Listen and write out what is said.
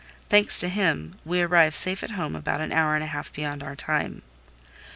Thanks to him, we arrived safe at home about an hour and a half beyond our time.